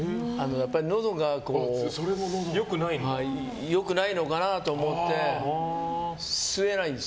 のどが良くないのかなと思って吸えないんです。